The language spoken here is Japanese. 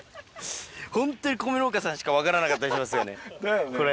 ホントに米農家さんしか分からなかったりしますよね。